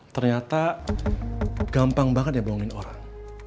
ternyata gampang banget ya bohongin orang